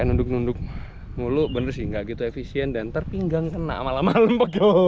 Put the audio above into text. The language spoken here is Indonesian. sorghum diberi pupuk dan air yang cukup